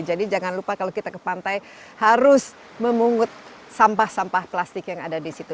jadi jangan lupa kalau kita ke pantai harus memungut sampah sampah plastik yang ada di situ